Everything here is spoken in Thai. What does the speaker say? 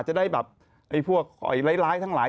จะได้แบบไอ้พวกร้ายทั้งหลาย